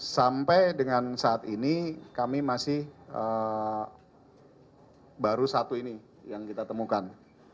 sampai dengan saat ini kami masih baru satu ini yang kita temukan